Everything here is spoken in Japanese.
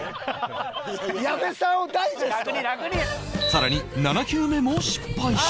さらに７球目も失敗し